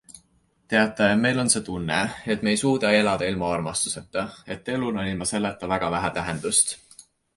Teate, meil on see tunne, et me ei suuda elada ilma armastuseta, et elul on ilma selleta väga vähe tähendust.